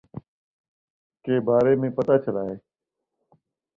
کے بارے میں پتا چلا ہے